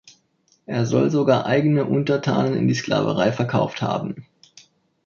Er soll sogar eigene Untertanen in die Sklaverei verkauft haben.